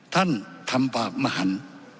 ท่านทำบาปมหัน